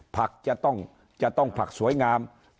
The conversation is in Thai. ผักจะต้องผักสวยงาม